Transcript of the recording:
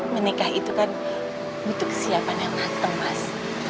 menikah itu kan butuh kesiapan yang matang mas